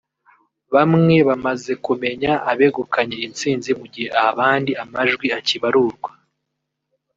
bamwe bamaze kumenya abegukanye intsinzi mu gihe abandi amajwi akibarurwa